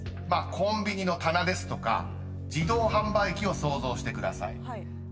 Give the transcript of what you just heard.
［コンビニの棚ですとか自動販売機を想像してください］